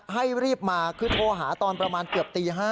ให้รีบมาคือโทรหาตอนประมาณเกือบตี๕